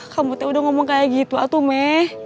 kamu sudah ngomong kayak gitu tuh me